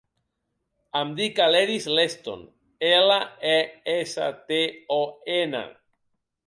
Em dic Aledis Leston: ela, e, essa, te, o, ena.